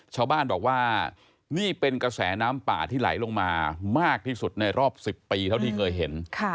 ชาวบ้านบอกว่านี่เป็นกระแสน้ำป่าที่ไหลลงมามากที่สุดในรอบ๑๐ปีเท่าที่เคยเห็น